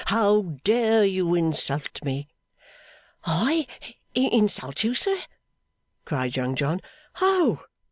How dare you insult me?' 'I insult you, sir?' cried Young John. 'Oh!